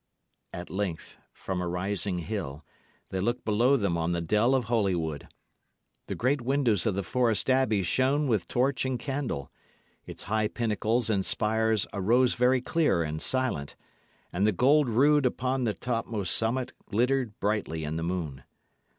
At length, from a rising hill, they looked below them on the dell of Holywood. The great windows of the forest abbey shone with torch and candle; its high pinnacles and spires arose very clear and silent, and the gold rood upon the topmost summit glittered brightly in the moon.